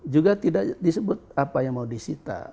juga tidak disebut apa yang mau disita